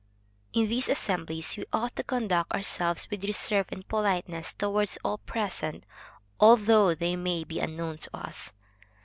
In these assemblies, we ought to conduct ourselves with reserve and politeness towards all present, although they may be unknown to us.